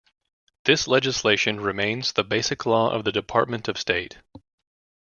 This legislation remains the basic law of the Department of State.